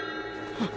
あっ。